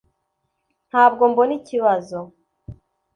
ntabwo mbona ikibazo